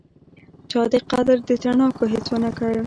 چا دې قدر د تڼاکو هیڅ ونکړ